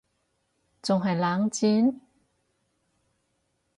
仲係冷戰????？